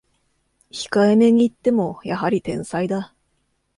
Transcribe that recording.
控えめに言ってもやはり天才だ